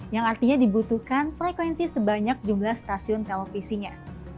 yang artinya dibutuhkan frekuensi sebanyak jumlah stasiun televisinya